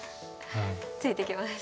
ついていきます。